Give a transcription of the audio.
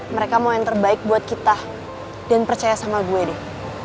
mereka mau yang terbaik buat kita dan percaya sama gue deh